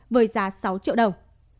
với giá sáu triệu đồng